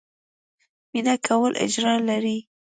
مينه کول اجر لري